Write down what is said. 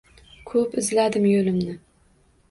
Ko’p izladim yo’limni.